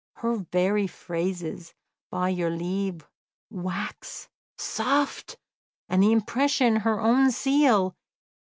Her very phrases! By your leave, wax. Soft! And the impression her own seal!